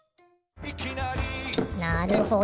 なるほど。